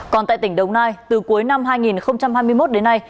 còn tại tỉnh đồng nai từ cuối năm hai nghìn hai mươi một đến nay